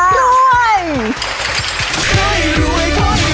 รวย